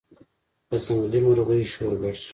په ځنګلي مرغیو شور ګډ شو